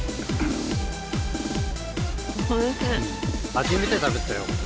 初めて食べたよ